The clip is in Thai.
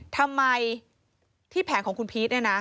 ทำไมที่แผงของคุณพีท